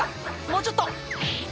もうちょっと。